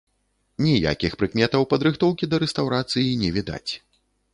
Ніякіх прыкметаў падрыхтоўкі да рэстаўрацыі не відаць.